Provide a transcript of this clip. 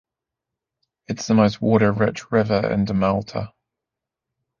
It is the most water-rich river in Dalmatia.